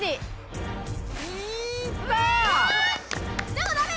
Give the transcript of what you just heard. でもダメ！